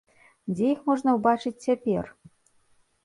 Дзе іх можна ўбачыць цяпер?